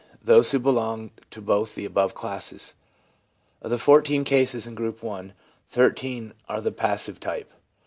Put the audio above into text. those who belonged to both the above classes. Of the 14 cases in Group I., 13 are of the passive type.